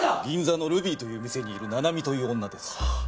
銀座のルビーという店にいる菜々美という女です。